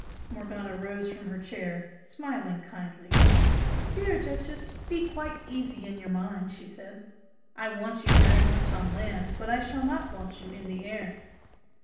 Morgana rose from her chair, smiling kindly. "Dear 'Duchess' be quite easy in your mind!" she said "I want you very much on land, but I shall not want you in the air!